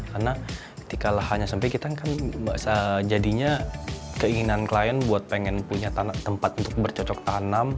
karena ketika lahannya sempit kita kan sejadinya keinginan klien buat pengen punya tempat untuk bercocok tanam